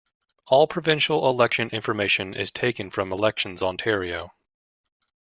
All provincial election information is taken from Elections Ontario.